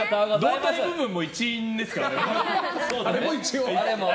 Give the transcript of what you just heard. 胴体部分も一員ですからね。